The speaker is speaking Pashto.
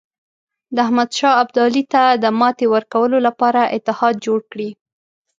د احمدشاه ابدالي ته د ماتې ورکولو لپاره اتحاد جوړ کړي.